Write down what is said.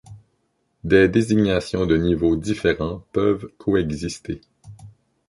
Des désignations de niveaux différents peuvent coexister.